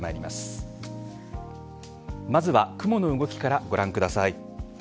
まずは雲の動きからご覧ください。